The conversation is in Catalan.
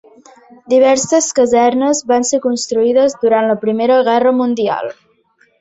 Diverses casernes van ser construïdes durant la Primera Guerra Mundial.